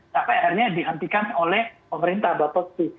tapi akhirnya dihentikan oleh pemerintah bapak peti